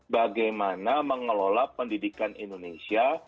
bagaimana mengelola pendidikan indonesia